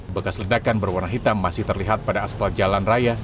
bekas ledakan berwarna hitam masih terlihat pada aspal jalan raya